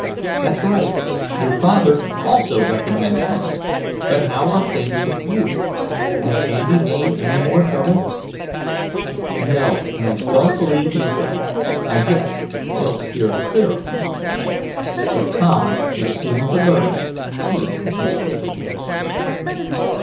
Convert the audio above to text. "That's right. Your father also recommended me. But how are things with you? Has Andy made any more trouble?" "No, and I don't believe he will. I guess he'll steer clear of me." But Tom was soon to learn he was mistaken.